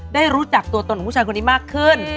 ได้รู้จักตัวตนของผู้ชายคนนี้มากขึ้น